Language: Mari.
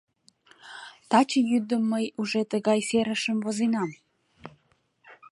Таче йӱдым мый уже тыгай серышым возенам!